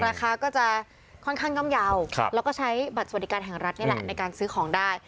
ราคาก็จะค่อนข้างย่อมเยาว์แล้วก็ใช้บัตรสวัสดิการแห่งรัฐนี่แหละในการซื้อของได้